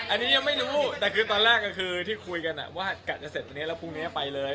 อันนี้ยังไม่รู้แต่คือตอนแรกก็คือที่คุยกันว่ากะจะเสร็จวันนี้แล้วพรุ่งนี้ไปเลย